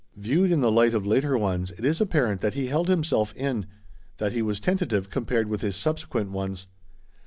Viewed in the light of later ones it is apparent that he held himself in; that he was tentative compared with his subsequent ones.